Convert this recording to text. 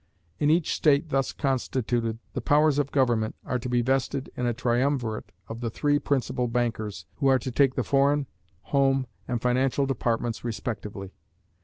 In each state thus constituted, the powers of government are to be vested in a triumvirate of the three principal bankers, who are to take the foreign, home, and financial departments respectively.